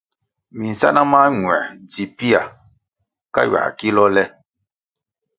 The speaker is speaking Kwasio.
Minsáná mañuer dzi pia ka ywia kilôh le.